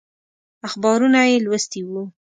اخبارونه یې لوستي وو.